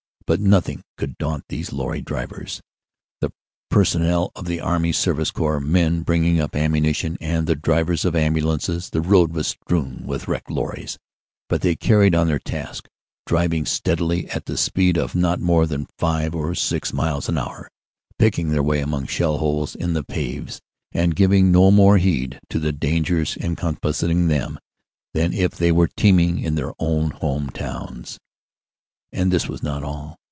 But nothing could daunt these lorry drivers, the personnel of the Army Service Corps, men bringing up ammunition, and the drivers of am bulances. The road was strewn with wrecked lorries, but they carried on their task, driving steadily at a speed of not more than five or six miles an hour, picking their way among shell holes in the "paves" and giving no more heed to the dangers encompassing them than if they were teaming in their own home towns. And this was not all.